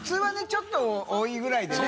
ちょっと多いぐらいでね